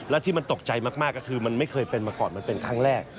แล้วที่มันตกใจมากก็คือมันไม่เคยเป็นมาก่อนมันเป็นครั้งแรก